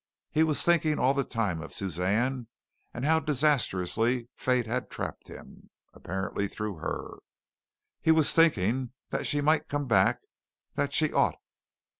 He was thinking all the time of Suzanne and how disastrously fate had trapped him apparently through her. He was thinking that she might come back, that she ought.